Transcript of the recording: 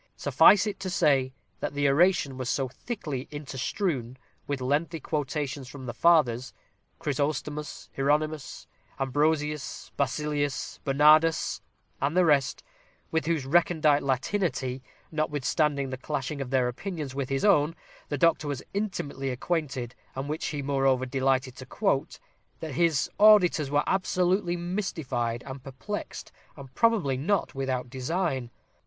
Suffice it to say, that the oration was so thickly interstrewn with lengthy quotations from the fathers, Chrysostomus, Hieronymus, Ambrosius, Basilius, Bernardus, and the rest, with whose recondite Latinity, notwithstanding the clashing of their opinions with his own, the doctor was intimately acquainted, and which he moreover delighted to quote, that his auditors were absolutely mystified and perplexed, and probably not without design.